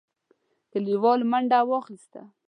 کليوالو منډه واخيسته.